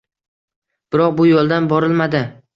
Biroq bu yo‘ldan borilmadi.